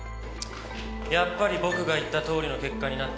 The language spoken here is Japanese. やっぱり僕が言ったとおりの結果になったな。